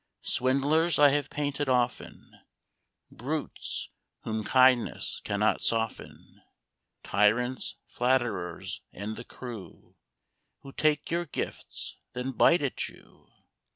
Swindlers I have painted often Brutes whom kindness cannot soften; Tyrants, flatterers, and the crew Who take your gifts, then bite at you.